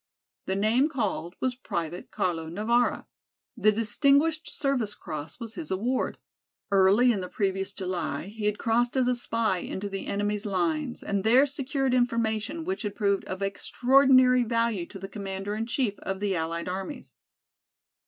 The name called was Private Carlo Navara. The Distinguished Service Cross was his award. Early in the previous July he had crossed as a spy into the enemy's lines and there secured information which had proved of extraordinary value to the commander in chief of the allied armies.